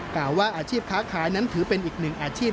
กล่าวว่าอาชีพค้าขายนั้นถือเป็นอีกหนึ่งอาชีพ